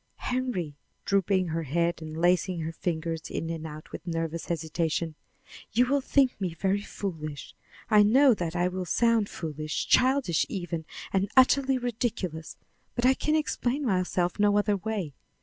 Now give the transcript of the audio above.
"Henry," drooping her head and lacing her fingers in and out with nervous hesitation, "you will think me very foolish, I know that it will sound foolish, childish even, and utterly ridiculous; but I can explain myself no other way.